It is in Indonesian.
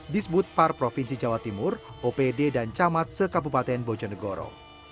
disebut par provinsi jawa timur opd dan camat se kabupaten bojo negoro